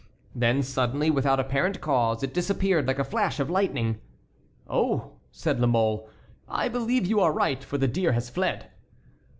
Then suddenly, without apparent cause, it disappeared like a flash of lightning. "Oh!" said La Mole, "I believe you are right, for the deer has fled."